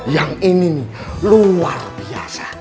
yang ini nih luar biasa